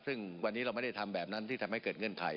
ซึ่งวันนี้เราไม่ได้ทำแบบนั้นที่ทำให้เกิดเงื่อนไข